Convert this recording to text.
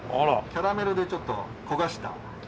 キャラメルでちょっと焦がした。